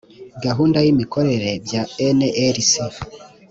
gahunda y’ imikorere bya nlc.